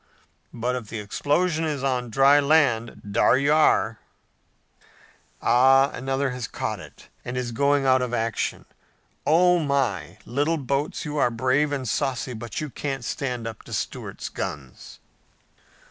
But if the explosion is on dry land, dar you are!' Ah, another has caught it, and is going out of action! Oh my, little boats, you're brave and saucy, but you can't stand up to Stuart's guns."